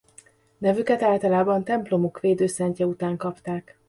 Nevüket általában templomuk védőszentje után kapták.